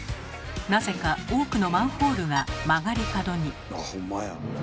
なぜか多くのマンホールが曲がり角に。